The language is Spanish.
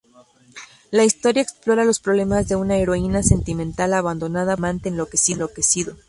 La historia explora los problemas de una heroína sentimental abandonada por un amante enloquecido.